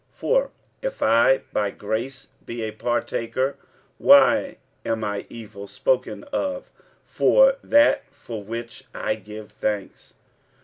46:010:030 For if I by grace be a partaker, why am I evil spoken of for that for which I give thanks?